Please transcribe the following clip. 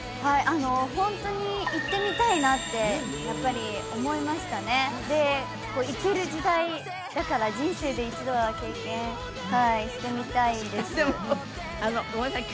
ホントに行ってみたいなってやっぱり思いましたねで行ける時代だから人生で一度は経験はいしてみたいですでもごめんなさい